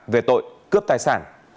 về tội cướp tài sản